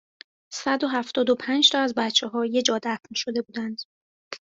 صد و هفتاد و پنج تا از بچهها یهجا دفن شده بودن